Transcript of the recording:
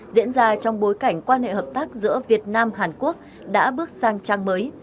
diễn ra trong bối cảnh quan hệ hợp tác giữa việt nam hàn quốc đã bước sang trang mới